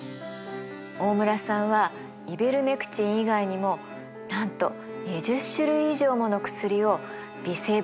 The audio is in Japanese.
大村さんはイベルメクチン以外にもなんと２０種類以上もの薬を微生物から見つけたんだそうです。